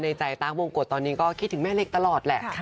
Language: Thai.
ใจตั๊กวงกฎตอนนี้ก็คิดถึงแม่เล็กตลอดแหละ